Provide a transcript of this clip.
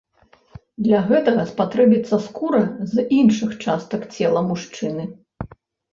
Для гэтага спатрэбіцца скура з іншых частак цела мужчыны.